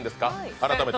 改めて。